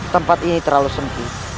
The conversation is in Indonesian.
tempat ini terlalu semci